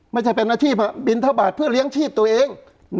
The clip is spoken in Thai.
ไม่ใช่เป็นอาชีพบินทบาทเพื่อเลี้ยงชีพตัวเอง